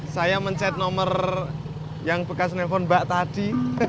saya mencet nomer yang bekas telfon mbak tadi